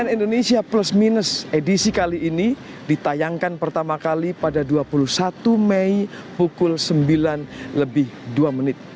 cnn indonesia plus minus edisi kali ini ditayangkan pertama kali pada dua puluh satu mei pukul sembilan lebih dua menit